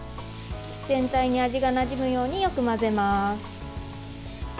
全体に味がなじむようによく混ぜます。